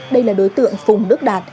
đây là đối tượng phùng đức đạt